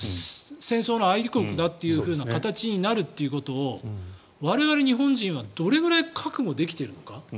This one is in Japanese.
戦争の相手国だという形になるということを我々日本人はどれぐらい覚悟できているのか。